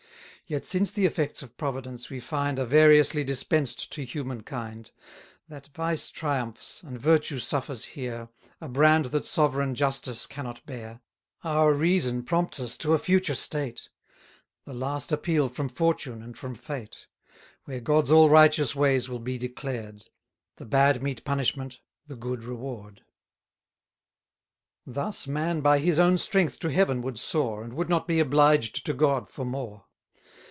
Yet since the effects of Providence, we find, Are variously dispensed to human kind; That vice triumphs, and virtue suffers here A brand that sovereign justice cannot bear Our reason prompts us to a future state: The last appeal from fortune and from fate; Where God's all righteous ways will be declared 60 The bad meet punishment, the good reward. Thus man by his own strength to heaven would soar, And would not be obliged to God for more.